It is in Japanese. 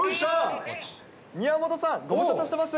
宮本さん、ご無沙汰してます。